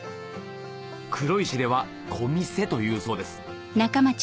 黒石ではこみせというそうです